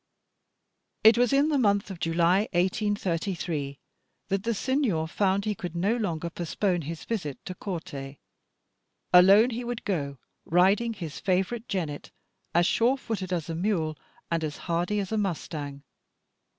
It was in the month of July 1833 that the Signor found he could no longer postpone his visit to Corte. Alone he would go, riding his favourite jennet, as sure footed as a mule, and as hardy as a mustang.